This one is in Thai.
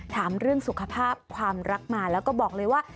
ถามเรื่องสุขภาพความรักมาแล้วก็บอกเลยว่า